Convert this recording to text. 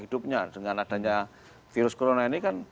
hidupnya dengan adanya virus corona ini kan